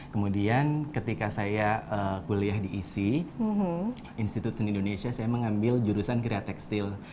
kemudian ketika saya kuliah di isi institut seni indonesia saya mengambil jurusan gerea tekstil